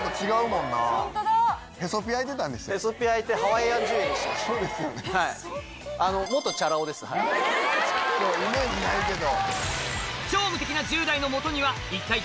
イメージないけど。